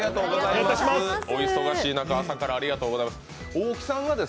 お忙しい中、朝からありがとうございます。